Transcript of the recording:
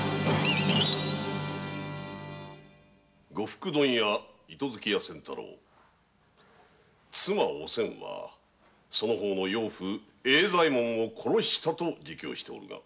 呉服問屋・糸月屋仙太郎妻・おせんはその方の養父栄左衛門を殺したと自供しておるが。